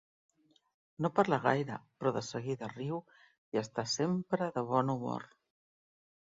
No parla gaire, però de seguida riu i està sempre de bon humor.